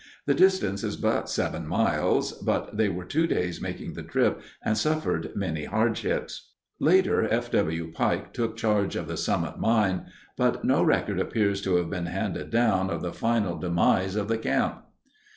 The distance is but seven miles, but they were two days making the trip and suffered many hardships." Later F. W. Pike took charge of the Summit Mine, but no record appears to have been handed down of the final demise of the camp.